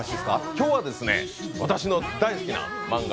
今日は私の大好きな漫画